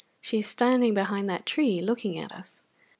"She is standing behind that tree looking at us.